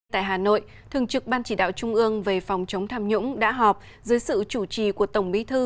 tại hà nội thường trực ban chỉ đạo trung ương về phòng chống tham nhũng đã họp dưới sự chủ trì của tổng bí thư